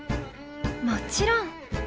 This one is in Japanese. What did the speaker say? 「もちろん！